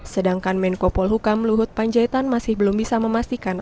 sedangkan menko polhukam luhut panjaitan masih belum bisa memastikan